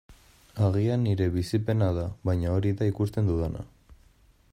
Agian nire bizipena da, baina hori da ikusten dudana.